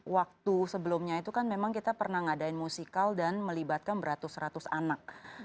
waktu sebelumnya itu kan memang kita pernah ngadain musikal dan melibatkan beratus ratus anak